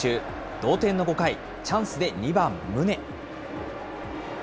同点の５回、チャンスで２番宗。